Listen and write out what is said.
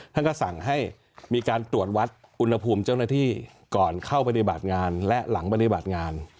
ท่านก็สั่งให้มีการตรวจวัดอุณหภูมิเจ้าหน้าที่ก่อนเข้าปฏิบัติงานและหลังปฏิบัติงาน